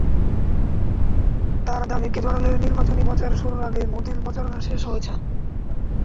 তাঁর দাবি, কেজরিওয়ালের নির্বাচনী প্রচার শুরুর আগেই মোদির প্রচারণা শেষ হয়েছে।